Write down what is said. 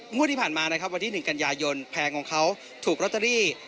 งวดที่ผ่านมานะครับวันที่๑กันยายนแผงของเขาถูกลอตเตอรี่